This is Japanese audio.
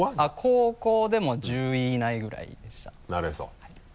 高校でも１０位以内ぐらいでしたなるへそ。